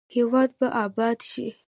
هیواد به اباد شي؟